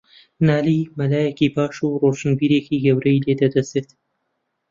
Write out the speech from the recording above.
نالی مەلایەکی باش و ڕۆشنبیرێکی گەورەی لێدەردەچێت